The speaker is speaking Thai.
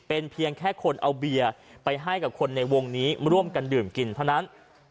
เป็นเพียงแค่คนเอาเบียร์ไปให้กับคนในวงนี้ร่วมกันดื่มกินเท่านั้น